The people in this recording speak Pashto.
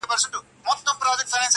غم لړلی نازولی دی کمکی دی،